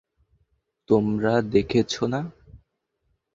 তোমরা দেখছো না?